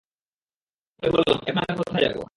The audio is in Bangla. আমি বললাম, এখন আমি কোথায় যাব?